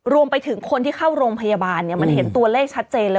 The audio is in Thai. รวมไปถึงคนที่เข้าโรงพยาบาลมันเห็นตัวเลขชัดเจนเลย